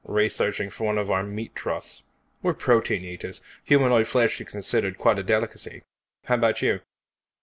"Researching for one of our meat trusts. We're protein eaters. Humanoid flesh is considered quite a delicacy. How about you?"